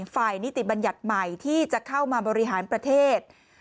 นิติบัญญัติใหม่ที่จะเข้ามาบริหารประเทศ